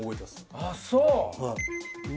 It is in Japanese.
あっそう。